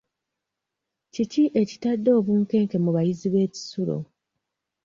Kiki ekitadde obunkenke mu bayizi b'ekisulo.